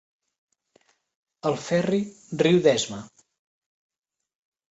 El Ferri riu d'esma.